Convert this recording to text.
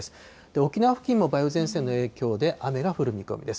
沖縄付近も梅雨前線の影響で雨が降る見込みです。